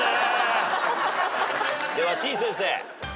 ではてぃ先生。